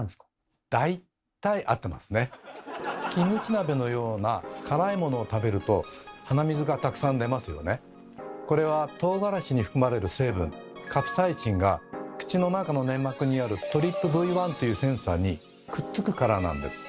キムチ鍋のようなこれはとうがらしに含まれる成分「カプサイシン」が口の中の粘膜にある「ＴＲＰＶ１」というセンサーにくっつくからなんです。